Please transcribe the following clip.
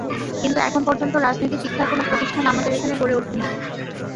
কিন্তু এখন পর্যন্ত রাজনীতি শিক্ষার কোনো প্রতিষ্ঠান আমাদের এখানে গড়ে ওঠেনি।